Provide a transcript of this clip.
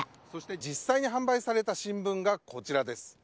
実際に販売された新聞がこちらです。